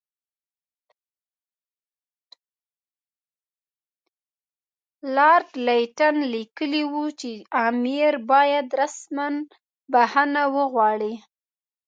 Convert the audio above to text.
لارډ لیټن لیکلي وو چې امیر باید رسماً بخښنه وغواړي.